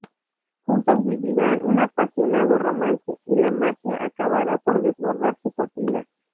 Juntos vivirán un apasionado romance, y la magia acabará por desbordar su cocina.